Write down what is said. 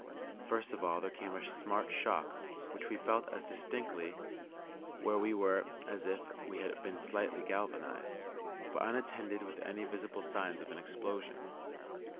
First of all there came a smart shock (which we felt as distinctly where we were as if we had been slightly galvanized), but unattended with any visible signs of an explosion.